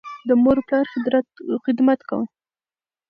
د مور او پلار خدمت کوه.